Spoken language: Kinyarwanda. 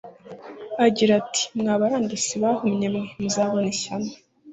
agira ati: «Mwa barandasi bahumye mwe, muzabona ishyano;